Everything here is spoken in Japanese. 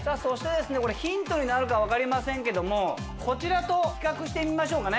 これヒントになるか分かりませんけどもこちらと比較してみましょうかね。